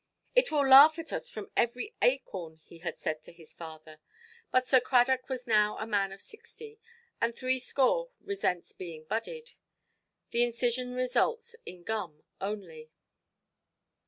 "It will laugh at us from every acorn", he had said to his father. But Sir Cradock was now a man of sixty; and threescore resents being budded. The incision results in gum only.